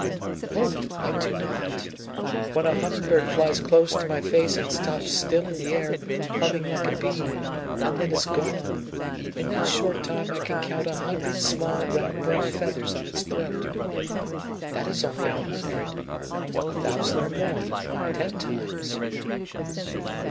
"Oh, do I not! When a humming bird flies close to my face and stops still in the air, humming like a bee, and then is gone, in that short time I can count a hundred small round bright feathers on its throat. That is only a hundred; a thousand are more, ten times.